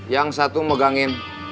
yang satu megangin